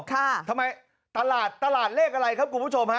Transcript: ทำไมตลาดตลาดเลขอะไรครับคุณผู้ชมฮะ